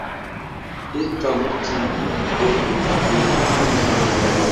Itɔ̀m iki gwe ìtàghà nə mìndàk.